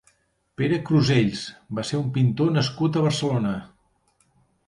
Pere Crusells va ser un pintor nascut a Barcelona.